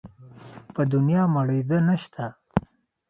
په دونيا مړېده نه شته.